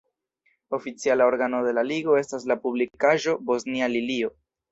Oficiala organo de la Ligo estas la publikaĵo "Bosnia Lilio".